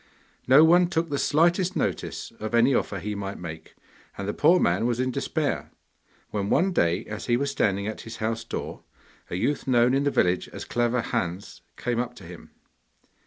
No one took the slightest notice of any offer he might make, and the poor man was in despair, when one day, as he was standing at his house door, a youth known in the village as Clever Hans came up to him.